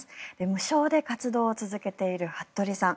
無償で活動を続けている服部さん。